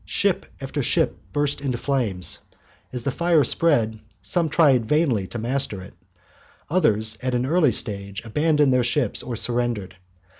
Ship after ship burst into flame. As the fire spread some tried vainly to master it; others, at an early stage, abandoned their ships, or surrendered.